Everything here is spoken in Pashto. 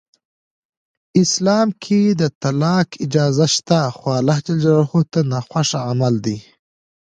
اسلام کې د طلاق اجازه شته خو الله ج ته ناخوښ عمل دی.